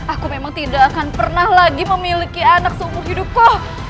aku memang tidak akan pernah lagi memiliki anak seumur hidupku